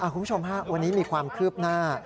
คุณผู้ชมฮะวันนี้มีความคืบหน้า